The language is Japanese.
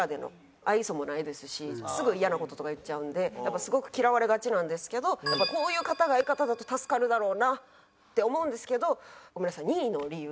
愛想もないですしすぐ嫌な事とか言っちゃうんですごく嫌われがちなんですけどこういう方が相方だと助かるだろうなって思うんですけどごめんなさい。